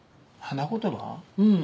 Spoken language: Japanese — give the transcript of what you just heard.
うん。